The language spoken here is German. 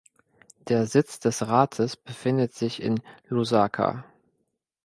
Der Sitz des Rates befindet sich in Lusaka.